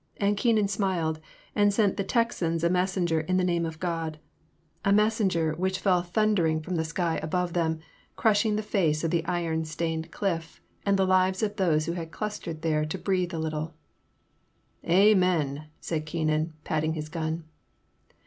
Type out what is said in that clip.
And Keenan smiled, and sent the Texans a messenger in the name of God — a messenger 197 198 In the Name of the Most High, which fell thundering fix)m the sky above them, crushing the face of the iron stained cliff and the lives of those who had clustered there to breathe a little. '' Amen/' said Keenan, patting his gun.